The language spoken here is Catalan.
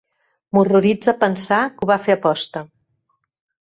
M'horroritza pensar que ho va fer a posta.